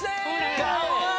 かわいい。